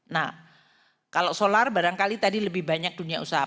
nah kalau solar barangkali tadi lebih banyak dunia usaha